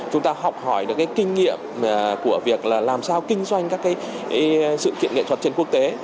chúng ta học hỏi được kinh nghiệm của việc là làm sao kinh doanh các sự kiện nghệ thuật trên quốc tế